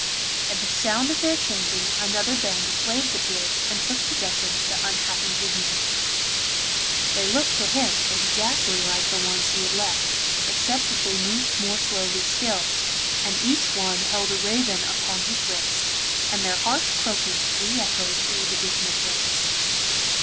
At the sound of their chanting, another band of slaves appeared, and took possession of the unhappy Vivien. They looked to him exactly like the ones he had left, except that they moved more slowly still, and each one held a raven upon his wrist, and their harsh croakings re echoed through the dismal place.